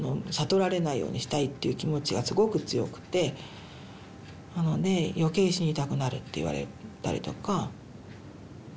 悟られないようにしたいっていう気持ちがすごく強くてなので余計死にたくなるって言われたりとか。